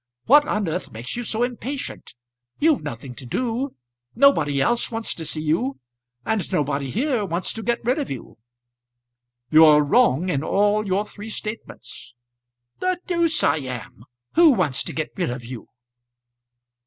What on earth makes you so impatient? You've nothing to do. Nobody else wants to see you; and nobody here wants to get rid of you." "You're wrong in all your three statements." "The deuce I am! Who wants to get rid of you?"